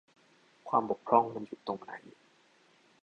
ความบกพร่องมันอยู่ตรงไหน ?